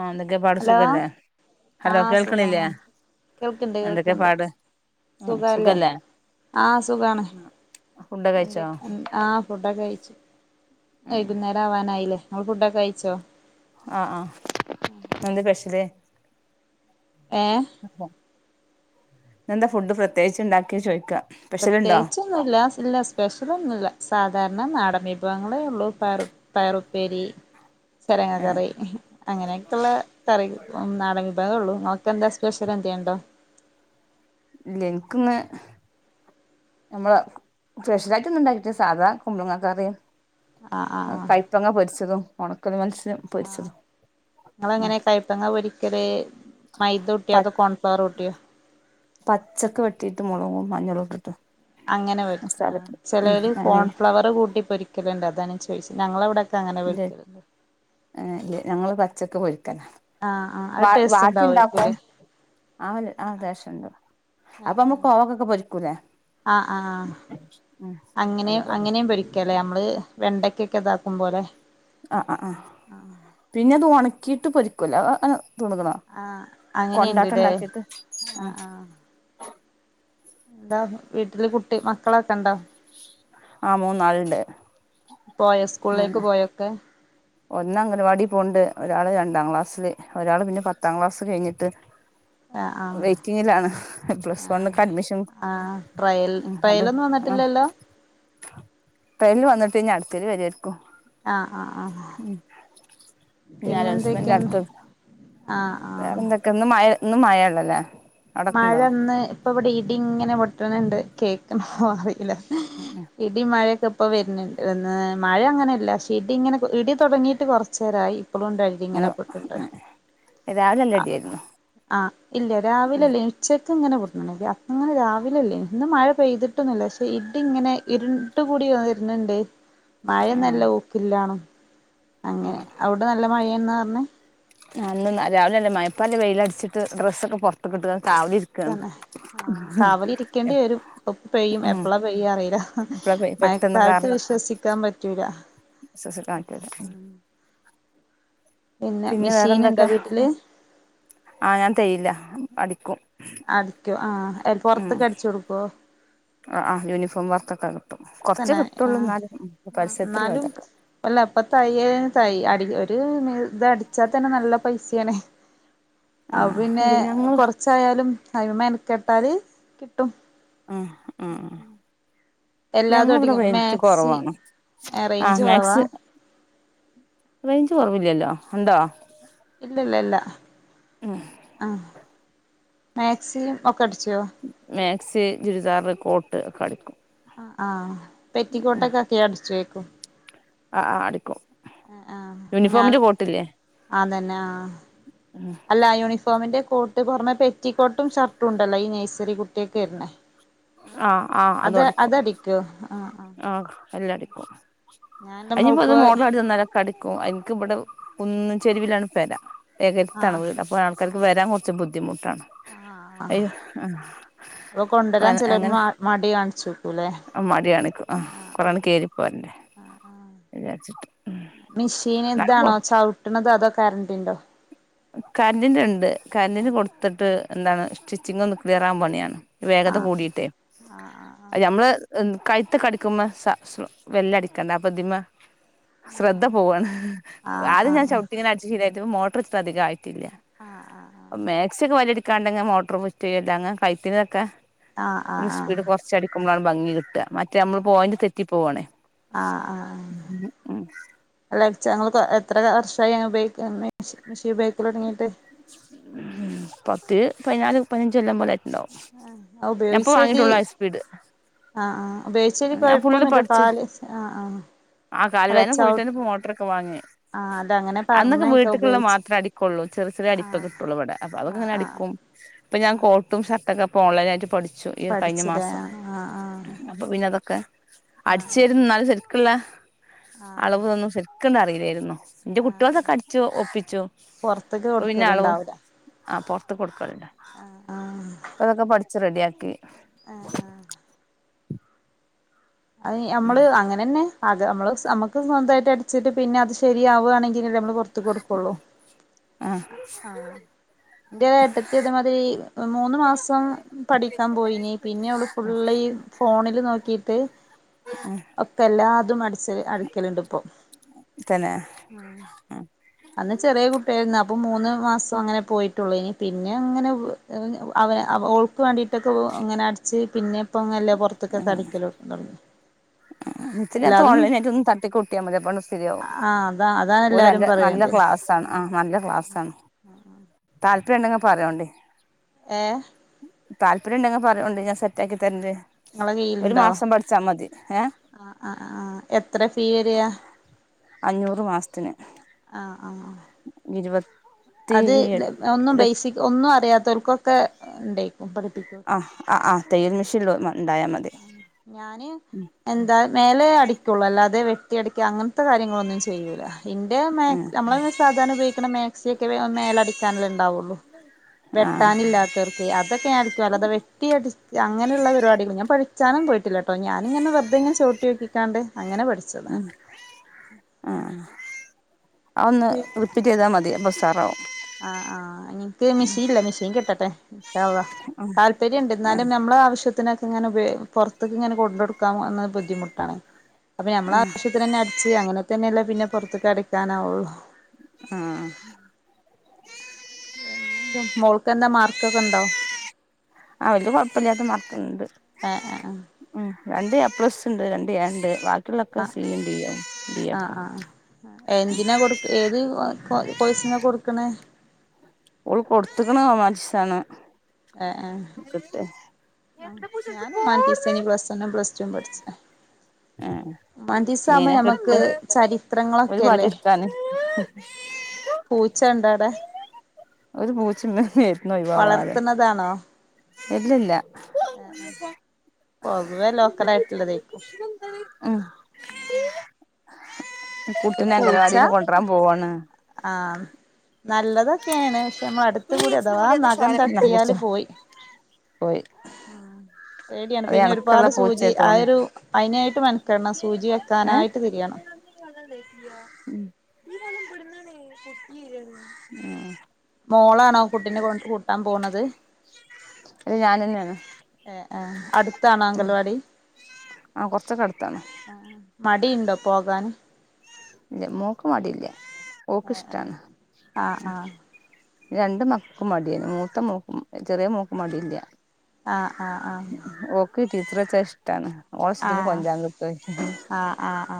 ആഹ് എന്തൊക്കെ പാട് ഹലോ സുഖല്ലേ ഹലോ ആഹ് കേൾക്കണില്ലേ സുഖാണ് കേൾക്കിണ്ട് എന്തൊക്കെ കേൾക്കിണ്ട് പാട് സുഖല്ലേ ആഹ് സുഖാണ് ഫുഡ് എന്തെ കഴിച്ചോ ആഹ് ഫുഡൊക്കെ കഴിച്ചു. ഉം വൈകുന്നേരം ആവാനായില്ലേ നിങ്ങള് ഫുഡൊക്കെ കയിച്ചോ? ആ ആഹ് എന്ത് പെഷ്യല് ഏ ഇന്നെന്താ ഫുഡ് പ്രത്യേകിച്ചിണ്ടാക്കിയേ ചോയ്ക്കാ പ്രത്യേകിച്ചൊന്നുല്ല ഇല്ല സ്പെഷ്യലൊന്നുല്ല സാ സാധാരണ നാടൻ വിഭവങ്ങളെ ഉള്ളൂ പയറു പയറുപ്പേരി ചെരങ്ങ ഏഹ് കറി അങ്ങനെയൊക്കിള്ള കറി ഏഹ് നാടൻ വിഭവേള്ളു, ഇങ്ങൾക്കെന്താ സ്പെഷ്യല് എന്തേ ഇണ്ടോ? ഇല്ല എൻക്കിന്ന് നമ്മള് സ്പെഷ്യലായിട്ടൊന്നും ഉണ്ടായിട്ടില്ല സാധാ കുമ്പളങ്ങ കറീം ആഹ് ആഹ് ആ കയപ്പങ്ങ പൊരിച്ചതും ഒണക്കമീ [unintelligible] ആഹ് നിങ്ങള് എങ്ങനെയാ കയ്പങ്ങ പൊരിക്കല് പ മൈദൂട്ടിയോ അതോ കോൺഫ്ലവറൂട്ടിയോ? പച്ചക്ക് വെട്ടിട്ട് മൊളകും മഞ്ഞളും ഇട്ടിട്ട് അങ്ങനെ പൊരി ആഹ് മസാലപ്പൊടി ഉം ചെലര് അങ്ങനെ കോൺഫ്ലവറ് കൂട്ടി പൊരിക്കലിണ്ട് അതാണ് ചോയിച്ച് ഞങ്ങളവടെ ഇല്ലെ ഏഹ് ഏഹ് ഞങ്ങള് പ ച്ചക്ക് പൊരി ക്കന്നെ ആഹ് ആഹ് വ അത് ടേസ്റ്റ് വാഴക്കയും ഉണ്ടാക്കും ഉണ്ടാവയിരിക്കൂല്ലേ ആ അതേ [unintelligible] അപ്പൊ ഇമ്മള് കോവക്കൊക്കെ പൊരിക്കൂലേ ആഹ് ആഹ് ഉം അതുപോലെ ല്ലേ നമ്മള് വെണ്ടക്കൊക്കെ ഇതാക്കും പോലെ ആഹ് അ ആ പിന്നെ അത് ഒണക്കീട്ട് പൊരി ക്കൂല എഹ് എഹ് തുണുക്കണോ ആഹ് കൊണ്ടാട്ടം അങ്ങനെയുണ്ട്ല്ലേ ഇണ്ടാക്കീട്ട് ആ ആഹ് ആഹ് എന്താ വീട്ടില് കുട്ടി മക്കളൊക്കെ ഇണ്ടോ? ആ മൂന്നാളുണ്ട് പോയാ സ്കൂൾലേക്ക് മൂന്ന് പോയാ ഒക്കെ ഒന്ന് അംഗനവാടി പോണ്ട് ഒരാള് രണ്ടാം ക്ലാസ്സില് ഒരാള് പിന്നെ പത്താം ക്ലാസ് കഴിഞ്ഞിട്ട് ആ ആ വെയിറ്റിങ്ങിലാണ് പ്ലസ് ആ വണ്ണ്ക്ക് അഡ്മിഷൻ ആ ട്രയൽ ട്രയലൊന്നും വന്നിട്ടില്ലല്ലോ ട്രെയലിൽ വന്നിട്ട് അടുത്തേൽ വരോയ്രിക്കും ആഹ് ആഹ് ആഹ് ഉം പിന്നെ ഞൻ [unintelligible] എന്തൊക്കെയാണ് അടുത്ത് ആഹ് വേറെ ആഹ് എന്തൊക്കെ ഇന്ന് മയ ഇന്ന് മയേഉള്ളല്ലേ മഴന്ന് ഇപ്പ ഇവിടെ ഇടി ഇങ്ങനെ പൊട്ടണണ്ട് കേക്കണ് അറിയില്ല അങ്ങനെ ഇടി മയക്കെ പ്പ ഇപ്പൊ വരുന്നുണ്ട് മഴ അങ്ങനെയല്ല ക്ഷേ ഇടി ഇങ്ങനെ ഇടി തുടങ്ങിയിട്ട് കൊർച്ചേരായി ഇപ്പളുണ്ട് ഇടി ഇങ്ങനെ പെട്ടുണ്ട് രാവിലെ നല്ല ആ ഇടിയായിരുന്നു ആ ഇല്ല രാവിലെല്ലേ ഉച്ച [unintelligible] ഇങ്ങനെ പൊട്ട്ണ്ണ്ടായിരുന്നു അങ്ങനെ രാവിലല്ലേയ്ന്ന് ഇന്ന് മഴ പെയ്തിട്ടൊന്നുമില്ല പക്ഷെ ഇടി ഇങ്ങനെ ഇരുണ്ട് കൂടി വന്നിരുന്നുണ്ട് മഴ ആ നല്ല ഊക്കില്ല അങ്ങനെ ആ അവിടെ നല്ല മയേ എന്നാ പറഞ്ഞേ അന്ന് രാവിലെല്ലേ മയ പ്പല്ലേ വെയില അടിച്ചിട്ട് ഡ്രസ്സ ഒക്കെ പുറത്ത് കിട്ട് തന്നെ ആ കാവലി ഇരിക്കേണ്ടി വരും പ്പ പെയ്യും ഉം എപ്പള പെയ്യും അറിയില്ല ഇപ്പളാ പെ മയക്കാലത്ത് വിശ്വസിക്കാൻ പറ്റൂല സ്വസിക്കാൻ പറ്റൂല പിന്നെ മെഷീൻ ഉണ്ടോ വേറെന്തൊക്കെ വീട്ടില് ആ ഞാൻ തേയ്യില്ല അടിക്കും. ആടിക്കോ ആ അ ഉം പൊറത്തക്ക് അടിച്ചു കൊടുക്കോ ആ [unintelligible] കൊറച്ചേ തന്നേ ആ കിട്ടുള്ളൂ എന്നാലും പരസ്യത്തുള്ള ന്നാലും ഇതൊക്കെ വല്ല എപ്പ തയ്യൽ തയ്യ അടി ഒരു ഇത് അടിച്ചാ തന്നെ നല്ല പൈസയാണ് ആ ആപ്പൊ പിന്നെ ഇല്ല ഞങ്ങൾ കൊറച്ചായാലും അയ്മെ മെനക്കെട്ടാല് കിട് ആഹ് ആ ആ എല്ലാതും ഞങ്ങളിവിടെ അടിക്കും റേറ്റ് മാക്സി കൊറവാണ് ആ റേഞ്ച് കുറവാ മാക്സ് റെഞ്ച് കൊറവില്ലല്ലോ എന്തോ ഇല്ലല്ല ഇല്ല ഉം ആ മാക്സി ഒക്കെ അടിച്ചോ മാക്സ് ചുരിദാർ കോട്ട് ഒക്കെ അടിക്കും ആഹ് ഉം പെറ്റിക്കോട്ടൊക്കെ ഒക്കെ അടിച്ചു വെക്കും ആ ആ അടുക്ക് ആഹ് [unintelligible] അതെന്നെ ആ ഉം അല്ല യൂണിഫോമിന്റെ കൊട്ട്പറഞ്ഞ് പെറ്റിക്കോട്ടും ഷർട്ടൂണ്ടല്ലോ ഈ നഴ്സറി കുട്ടിയൊക്കെ ഇരുന്ന ആഹ് ആഹ് അതും അത് അടിക്കും അതടിക്ക് ആ ആ ആഹ് എല്ലാടിക്കും എന്റെ അയിപഞ് ഏത് മോൾക്ക് മോഡൽ കാട്ടിതന്നാലും അടിക്കും എൻക്ക് ഇവ്ടെ കുന്നിൻ ചെരുവിലാണ് പെര ഏകരത്താണ് വീട് അപ്പൊ ആൾക്കാർ വരാം കൊറച്ച് ബുദ്ധിമു ആ ആ പ്പൊ അപ്പ കൊണ്ടരാൻ ചെലര് അങ്ങനെ മ മടി കാണിച്ചും പൂലേ മടിയാണ് ഇക്ക് ആഹ് ആ ആ കൊറേണ്ട് കേറിപ്പോരണ്ടേ ആ ആ വിചാരിച്ചിട്ട് ഉം മിഷീന് നടക്കുവോ ഇതാണോ ചവിട്ടണത് അതൊക് കറൻ്റുണ്ടോ കരൻ്റിന്റെ ഇണ്ട് കറന്റിന് കൊടുത്തിട്ട് എന്താണ് സ്റ്റിച്ചിങ്ങൊന്ന് ക്ലിയറാവാൻപണിയാണാ വേഗത ആഹ് കൂടിട്ടേ ആഹ് ആഹ് അത് നമ്മള് എം കഴ്ത്തൊക്കെ അടിക്കുമ്മ സ സു വെല്ല അടിക്കണ്ടേ അപ്പതിമ ശ്രദ്ധ പോവാണ് ആഹ് ആദ്യം ഞാൻ ആഹ് ആഹ് ചവിട്ടിങ്ങനെ അടിച്ച് ശരിയാ ത്പ്പ മോട്ടറെച്ചി ത്തതികായി തില്ലാ ആഹ് ആഹ് മാക്സി ഒക്കെ വല്യ രീതി ഇക്കാണ്ടങ്ങ് മോട്ടോറ് പറ്റ്യേല്ല അങ്ങ് കൈത്തിന് വയ്ക്കാം ആഹ് ആഹ് ആഹ് സ്പീഡ് കൊറച്ച് അടിക്കുമ്പ ഭംഗി കിട്ടാ മറ്റേ മ്മള് പോയൻ്റ് തെറ്റിപ്പോവാണേ ആഹ് ആഹ് ച്ചെ ങ്ങള്പ്പ എത്ര വർഷായി അങ്ങ് ഉപയോക്ക്ന്നേ മെഷീ മെഷീ ഉപയോക്കല് ഒടങ്ങീട്ട് ഉം പത്ത് പയിനാല് പയിനഞ്ചൊല്ലം മ്പോലേ ആ ഉപയോഗിച്ചതി ഹൈ സ്പീഡ് ആഹ് ആ ഉപയോഗിച്ചതി ഞാൻ ഫുള്ള് കൊഴപ്പൊന്നുല്ല കാൽ ആ ആ കാൽ വേന കൂടിട്ടന്ന ഇപ്പോ മോട്ടറൊക്ക വങ്ങിയേ ആഹ് അല്ല അങ്ങനെ അന്നൊക്കെ പറഞ്ഞേക്ക വീട്ട്ക്ക്ള്ള ഉപയോഗിച്ച് മാത്രേ അടിക്കൊള്ളൂ ചെറ് [unintelligible] അടിപ്പൊ ആഹ് കിട്ടുള്ളൂ ഇവിടെ അപ്പ ആഹ് അതൊക്കങ്ങനെ ആഹ് അടിക്കും ഇപ്പഞാ കോട്ടും ഷർ ഇതെക്കെ പ്പ ഓൺലൈനായിറ്റ് പഠി ച്ചു ഈ കഴിഞ്ഞ പഠിച്ചില്ലേ മാസം ആഹ് ആഹ് അപ്പൊ പിന്നെ അതൊ ഓക്കെ ആഹ് അടിച്ചു തരുന്ന ആഹ് എന്നാലും ശരിക്കുള്ള ആഹ് അളവ് തന്നു [unintelligible] എനിക്കൊന്നും അറിയില്ലായിരുന്നു എന്റെ കുട്ടികളൊക്കെ അടിച്ചോ ഒപ്പിച്ചോ കൂടെ ഉണ്ടാവില്ല ആ പുറത്ത് കൊടുത്തു ഇപ്പൊ അതൊക്കെ പഠി ച്ച് റെഡിയാക്കി ആ ആ അത് നമ്മള് അങ്ങനെ തന്നെ അത് നമ്മള് നമുക്ക് സ്വന്തമായിട്ട് അടിച്ചിട്ട് പിന്നെ അത് ശരിയാവുവാണെങ്കിൽ [unintelligible] പുറത്ത് കൊടുക്കൂള്ളൂ ആ എന്റെ ഏട്ടത്തി അതേ മാതിരി മൂന്ന് മാസം പഠിക്കാൻ പോയി പിന്നെ അവള് ഫുള്ള് ഈ ഫോണിൽ നോ ക്കീട്ട് ഒക്കെ എല്ലാതും അടിച്ചത് അടിക്കലുണ്ട് ഇപ്പൊ തന്നെ ആ അന്ന് ചെറിയ കുട്ടിയായിരുന്നു അപ്പൊ മൂന്ന് മാസം അങ്ങനെ പോയിട്ടുള്ളു ഇനി പിന്നെ അങ്ങനെ അവ ഓൾക്ക് വേണ്ടിട്ടൊക്കെ ഇങ്ങനെ അടിച്ച് പിന്നെ ഇപ്പ അങ്ങല്ലേ പുറത്തൊക്കെ അടിക്കലോ തുടങ്ങി ഇതിനകത്ത് എല്ലാതും ഓൺലൈനായിട്ട് ഒന്ന് തട്ടിക്കൂട്ടിയാൽ മതി അപ്പം ആ അതാ അതാണ് എല്ലാരും [unintelligible] പറയണത് ക്ലാസാണ് ആ നല്ല ക്ലാസാണ് താല്പര്യം ഉണ്ടങ്കി പറയോണ്ട് ഏ താല്പര്യം ഉണ്ടെങ്കിൽ പറയോണ്ട് ഞാൻ സെറ്റാക്കി തരണുണ്ട് ഒരു മാസം പഠിച്ചാൽ മതി ഏ ആ ആ ആ എത്ര ഫീ വരിയാ അഞ്ഞൂറ് മാസത്തിന് ആ ആ ഇരുപത് അത് ഒന്നും ബേസിക് ഒന്നും അറിയാത്തവർ ക്കൊക്കെ ഉണ്ടേ ആഹ് ആ് ആ തയ്യൽ മെഷീൻോ ആ ഞാന് എന്താ മേലെ അടിക്കുള്ളു അല്ലാതെ വെട്ടി അടിക്കാ അ കാര്യങ്ങളൊന്നും ചെയ്യൂല ഇന്റെ ആഹ് നമ്മള സാധാരണ ഉപയോഗിക്കുന്ന മാക്സി ടക്സിയൊക്കെ മേലടിക്കാനല്ലേ ഉണ്ടാവുള്ളൂ ആഹ് വെട്ടാനില്ലാത്തവർക്ക് അതൊക്കെ ആളിക്ക അല്ലത വെട്ടിയടി അങ്ങനെയുള്ള പരിപടികൾ ഞാം പഠിച്ചാനും പോയിട്ടില്ലട്ട ഞാനിങ്ങന വെറതെങ്ങനെ ചൗട്ടി നോക്കികാണ്ട് ആ ആ ആ ഒന്ന് റിപ്പീറ്റ് ചെയ്താ മതിയ ബം ഉഷാറാകും ആ ആ എനിക്ക് മെഷീൻ ഇല്ല മെഷീൻ കിട്ടട്ടെ ഇൻഷാ അള്ളാ ഉം താല്പര്യം ഉണ്ട് എന്നാലും ആഹ് നമ്മളെ ആവശ്യത്തിന്ക്കെ ഇങ്ങനെ ഉപയോ പുറത്തേക്ക ഇങ്ങെ കൊണ്ടടുക്കാം എന്നത് ബുദ്ധിമുട്ടാണ് അപ്പൊ നമ്മള ആഹ് ആശ്യത്തിന് തന്ന അടി ച്ച് അങ്ങനെ തന്നെയല്ല പിന്നെ പുറത്തക്ക് അടി ക്കാനാവുള്ളൂ ആ പിന്നെന്താ മോൾക്ക് എന്താ മാർക്കൊക്കെ ഇണ്ടാവ അവൽത് കുഴപ്പമില്ലാതെ മർക്ക് ഏഹ് ഏഹ് ഉം രണ്ട് എ പ്ലസ് ഉണ്ട് രണ്ട് എ ഉണ്ട് ബാക്കി ആ ആ ആ എന്തിനാ കൊടു ഏത് കോഴ്സിന കൊടുക്കണേ ഓള് കൊടുത്തിക്കാണ് ഹുമാനിറ്റീസ് ആണ് ആ ആ ആ ഞാനും humanities plus one plus two റ്റും പഠിച്ച ആഹ് ഹുമാനിറ്റീസ് ആവുമ്പോൾ ഇഞ്ഞയിനെ ഞമുക്ക് കിട്ട് ഒരു വടി ചരിത്രങ്ങളൊക്കെല്ലേ ഇട്ക്കാന് പൂച്ച ഉണ്ടോ അവിടെ ഒരു പൂച്ചെണ്ട് മേതക്ക് വളർത്തുന്നതാണോ ഇല്ല ല്ല ആ ആ പൊതുവേ ലോക്കൽ ആയിട്ടുള്ളത് അയക്കും ഉം കുട്ടിനെ അംഗനവാടിന്ന് കൊണ്ടരാൻ പോവാണ് ആഹ് നല്ലതൊക്കെയാണ് പക്ഷെ നമ്മൾ അടുത്ത കൂടി അഥവാ ആ നഖം ന്നാ തട്ടിയാല് പോയി പോയ് ആ പേടിയാണ് പിന്നെ ഒരുപാട് സൂചി പൂച്ചയാ ആ തോന്നുന്നു ഒരു അതിനായി ട്ട് മന ക്കേണം സൂചി വെക്കാനായിട്ട് തിരിയണം ഉം മോളാണോ കുട്ടീനെ കൊ കൂട്ടാൻ പോണത് അത് ഞാനന്നെയാണ് ഏ ആ അടുത്താണോ അങ്കലവാടി ആ കൊറച്ചൊക്കെ അടുത്താണ് ആ മ മടിയുണ്ടോ പോകാൻ ഇല്ല മോക്ക് മടിയില്ല ഓക്ക് ഇഷ്ടാണ് ആഹ് ആഹ് രണ്ട് മക്കക്കും മടിയാരുന്നു മൂത്ത മോക്കും ചെറിയ മോക്ക് മടിയില്ല ആ ആ ആ ടീച്ചറ് വച്ചാ ഇഷ്ടാണ് ഓളെ ആ ഇഷ്ടത്തിന് കൊഞ്ചാൻ കിട്ടും ആ ആ ആ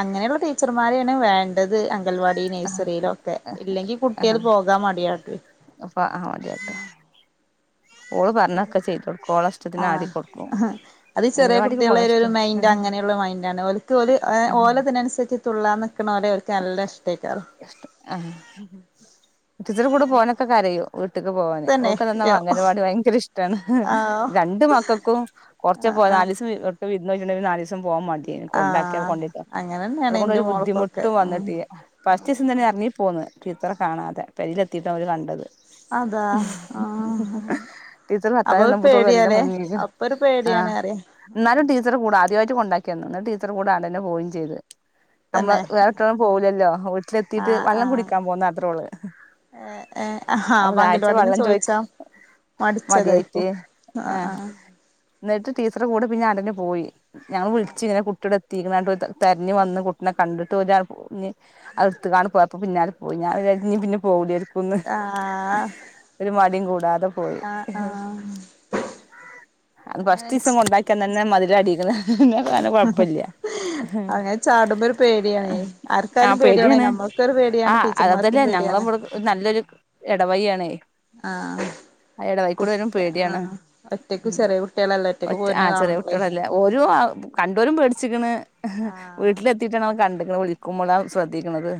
അങ്ങനെയുള്ള ടി ച്ചറ് മാരെയാണ് വേണ്ട ത് അങ്കൽവാടി നഴ്സറിയിലും ഒക്കെ ഇല്ലെങ്കിൽ ആ കുട്ടികൾ പോകാൻ മടിയാകും അപ്പൊ ആ മതിയാട്ടോ ഓള് പറഞ്ഞൊക്കെ ചെയ്ത് കൊടുക്കും ഓളെ ആ ഇഷ്ടത്തിന് ആടി കൊടുക്കും അത് ചെറിയ അംഗനവാടിക്ക് കുട്ടികളുടെ പോണ ഒരു ഒരു മൈൻഡ് ഇഷ്ട അങ്ങനെയുള്ള മൈൻഡാണ് ഓല്ക്ക് ഒരു ആഹ് ഓലത്തിനുസരിച്ച തുള്ളാന്ന് ക്കുന്നോരെ ഓല്ക്ക് നല്ല ഇഷ്ടായിരിക്കും ഇഷ്ട ആഹ് പിന്നെ ഒറ്റക്ക് പോവാൻ തന്നെ ഓക്കുതെന്താവോ യോ അംഗനവാടി ഭയങ്കര ഇഷ്ടാണ് ആഹ് രണ്ട് മക്കൾക്കും കുറച്ച് ആഹ് പോകാ ആഹ് വിരുന്ന് പോയിട്ടുണ്ടേ ഒരു നാല് ദിവസ പോവാൻ മടിയാണ് കൊണ്ടാക്കുക ആഹ് കൊണ്ടൊരുക അങ്ങനെന്നെയാണ് അവളെക്കൊണ്ട് എന്റെ ഒരു ബുദ്ധിമുട്ട് മോൾക്കൊക്കെ ഒട്ടും ഉം വന്നിട്ടില്ല ഫസ്റ്റ് ദിവസം തന്നെ എറങ്ങി പോ ടീച്ചറ് കാണാതെ പൊരെല് യിലെത്തിയിട്ടാ അവര് കണ്ടത് അതാ ആഹ് ടീച്ചർ അപ്പൊ ഒരു എല്ലാം പേടിയാലേ മുങ്ങീന് അപ്പൊ ഒരു ആ പേടിയാണ് അറിയ എന്നാലും ടീച്ചർ കൂടാ ആദ്യമായി കൊണ്ടാക്കിയന്ന് അന്നേരം ടീച്ചർ കൂടെ ഞാൻ തന്നെ പോകയും ചെയ്ത് നമ്മള് തന്നെ വേറൊടുത്തും പോവൂല്ലല്ലോ വീട്ടിലെത്തീട്ട് ആഹ് വെള്ളം ആഹ് കുടിക്കാൻ പോന്ന അത്രേ ഉള്ളൂ ഏഹ് ഏഹ് ആഹ് അപ്പൊ ദാഹിച്ച് അംഗൽവാടിന്ന് വെള്ളം ചോയ് ചോയിച്ചാ മടിയായിട്ട് മടിച്ചതായിക്കും ആ ആഹ് എന്നിട്ട് ടീച്ചർ കൂടെ പിന്നെ അങ്ങോട്ട് തന്നെ പോയി ഞാൻ വിളിച്ചു ഇങ്ങനെ കുട്ടിയുടെ എത്തിക്കണേ പറഞ്ഞു തെ തെരഞ്ഞ് വന്ന് കുട്ടിനെ കണ്ട് അടുത്ത് കാണെ അപ്പൊ പിന്നാലെ പോയി ഞാൻ വിചാരിച്ച് ഇനി പിന്നെ പോവൂലേന്ന ന്ന് ആഹ് ഒരു മടിയും കൂടി പോയി ആഹ് ആഹ് അത് ഫസ്റ്റ് ഇസം ആഹ് കൊണ്ടാക്കിയ ന്നന്നെ മതില അടിക്കണ് കൊഴപ്പില്ല അങ്ങനെ ചാടുമ്പോ ഒരു പേടിയാണേ ആ ആർക്കായാലും പേടിയാണ് പേടാണ് നമ്മൾക്കൊരു ആ് പേടിയാണ് ടീച്ചർമാർക്കും അതല്ലേ പേടിയാണ് ഞങ്ങളമ്മടെ നല്ലൊരു ഇടവഴിയാണ് ആഹ് അട വൈക്കൂടെ വരും കുട്ട പേടിയാണ് ആഹ് ഒറ്റക്ക് ഉ ചെറിയ കുട്ടികളല്ലേ ഒറ്റക്ക് ഒറ്റ ആ പോരുന്ന ചെറിയ കാണുമ്പളേ ഒട്ടളല്ലേ ഓരോ കണ്ടുവരും പേടിച്ചിിക്കണ് ആഹ് വീട്ടിലെത്തിട്ടാണ് കൺ [unintelligible] വിളിക്കുമ്പോഴാണ് ശ്രദ്ധിക്കുന്നത്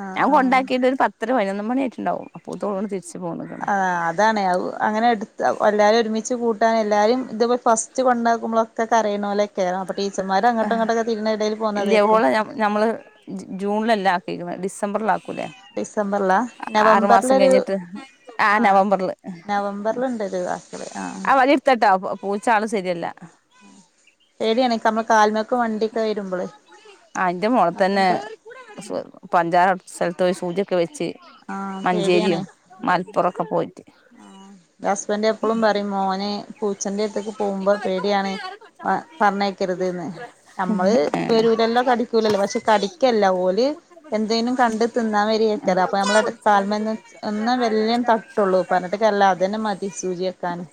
ആഹ് ഞ ആഹ് കൊണ്ടാക്കിട്ട ഒരു പത്ര ത് പതിനൊ മണി ആയിട്ടുണ്ടവും അപ്പോ ഇതോൊന്ന് തിച്ചു ആഹ അതാാണ്േ അങ്ങനെ എടുത്ത് എല്ലാരും ഒരുമിച്ച് കൂട്ട എല്ലാരും ഇത് ഫസ്റ്റ് കൊണ്ടാക്കുമ്പോളൊഒക്കെകരയിനോലേക്കാരം അപ്പ ടീ ആ ഇല്ലയ പോോളെ നഞമ്മള് ജൂണില ല്ല ആക്കിക്കണേ ഡിസംമ്പ സംബർല ഡിസംബറിലാ മാസം നവംബറിലൊരു കഴിഞ്ഞിട്ട് ആ നവംബറൽുണ്ടൊരു ആ വടി ഇർത്തട്ട പൂച്ച ആൾും ശരിയല്ല ടിയണക്കമ്മ കാല അയിന്റെ മോള നഖം തന്നെ ത പഞ്ചറ സ്ഥല ഇ സൂചയൊക്കെ വെച്ച് ആഹ് മഞ്ചേരിയും മലപ്പുറൊക്കെ പോയി ആ ഹസ്ബൻഡ എപ്പഴും പറയും മോനെ പൂച്ചന്റെ അടുത്തക്ക് പോകുമ്പോ പേടിയാണ് പറഞ്ഞക്കരുത്ന്ന് നമ്മള് വരൂലല്ലോ കടിക്കൂലല്ലോ പക്ഷെ കടിക്കല്ല ഓലെ എന്തേങ്കലും കണ്ട് തിന്നാൻ വരി വക്കറ് അപ്പൊ നമ്മളുടെ താൽമ ഒ വല്ം തട്ടുള്ളൂ പറഞ്ഞിട്ടക്കല്ല അത്ന്നെ മതി സൂചി വെക്കാന്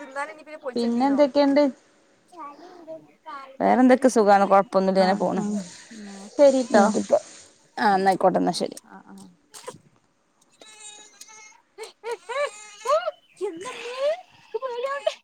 സന്ത പിന്നെ എന്തൊക്കെയുണ്ട് വേറെന്തൊക്കെ സുഖമാണ് കൊഴപ്പൊന്നുമില്ല ഇങ്ങനെ ആഹ് പോണം ആഹ് ശരിട്ടോ നിനക്ക്ിപ്പ ആ എന്നയിക്കോട്ടെ എന്നാ ശരി ചന്ത [unintelligible]